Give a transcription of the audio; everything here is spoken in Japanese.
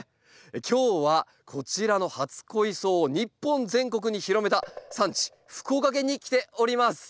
今日はこちらの初恋草を日本全国に広めた産地福岡県に来ております。